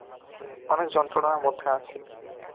অনেক যন্ত্রণার মধ্যে আছি।